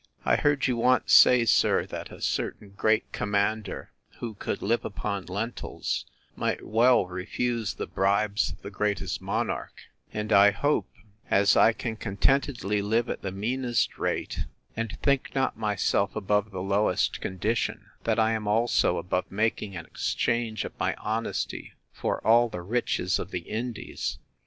I heard you once say, sir, That a certain great commander, who could live upon lentils, might well refuse the bribes of the greatest monarch: And I hope, as I can contentedly live at the meanest rate, and think not myself above the lowest condition, that I am also above making an exchange of my honesty for all the riches of the Indies.